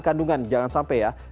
kandungan jangan sampai ya